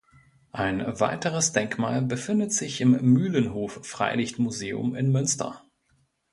Ein weiteres Denkmal befindet sich im Mühlenhof-Freilichtmuseum in Münster.